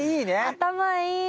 頭いい。